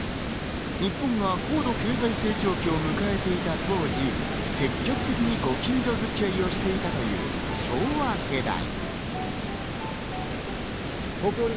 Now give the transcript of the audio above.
日本が高度経済成長期を迎えていた当時、積極的にご近所付き合いをしていたという昭和世代。